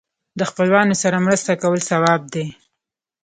د خپلوانو سره مرسته کول ثواب دی.